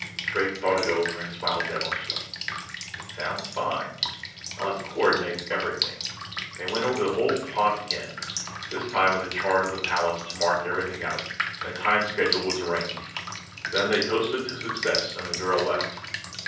Drake thought it over and smiled devilishly. "It sounds fine. Now let's co ordinate everything." They went over the whole plot again, this time with a chart of the palace to mark everything out and a time schedule was arranged. Then they toasted to success and the girl left.